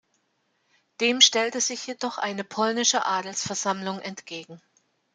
Dem stellte sich jedoch eine polnische Adelsversammlung entgegen.